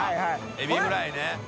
エビフライね。